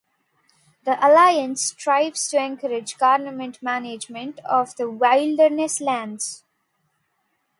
The Alliance strives to encourage government management of the wilderness lands.